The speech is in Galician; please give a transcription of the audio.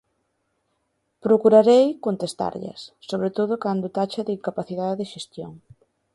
Procurarei contestarllas, sobre todo cando tacha de incapacidade de xestión.